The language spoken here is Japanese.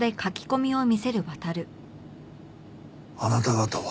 あなた方は。